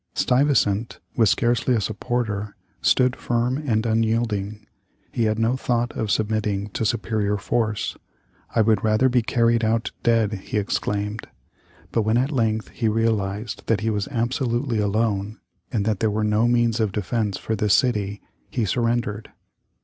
Stuyvesant, with scarcely a supporter, stood firm and unyielding. He had no thought of submitting to superior force. "I would rather be carried out dead," he exclaimed. But when at length he realized that he was absolutely alone, and that there were no means of defence for the city, he surrendered.